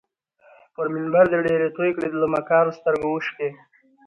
پر منبر دي ډیري توی کړې له مکارو سترګو اوښکي